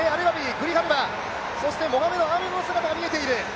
グリハルバ、そしてモハメド・アーメドの姿が見えている。